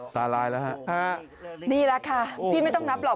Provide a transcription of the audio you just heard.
ตายแล้วฮะนี่แหละค่ะพี่ไม่ต้องนับหรอก